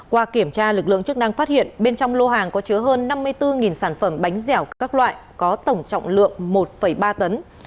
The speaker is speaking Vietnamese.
qua kiểm tra lực lượng chức năng phát hiện bên trong lô hàng có chứa hơn năm mươi bốn sản phẩm bánh dẻo các loại có tổng trọng lượng một ba tấn